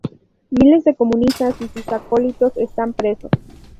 Miles de comunistas y sus acólitos están presos.